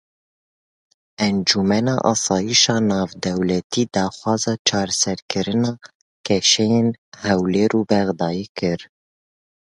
Encûmena Asayişa Navdewletî daxwaza çareserkirina kêşeyên Hewlêr û Bexdayê kir.